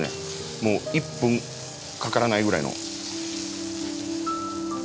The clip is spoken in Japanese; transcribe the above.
もう１分かからないぐらいの。